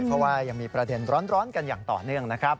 เพราะว่ายังมีประเด็นร้อนกันอย่างต่อเนื่องนะครับ